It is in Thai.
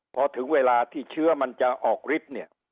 พอถึงเวลาที่เชื้อมันจะออกฤทธิ์เนี่ย